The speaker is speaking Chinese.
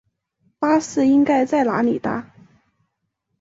巴士应该在哪里搭？